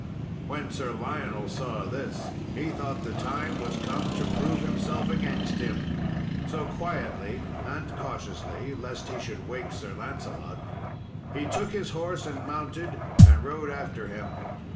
When Sir Lionel saw this he thought the time was come to prove himself against him, so quietly and cautiously, lest he should wake Sir Lancelot, he took his horse and mounted and rode after him.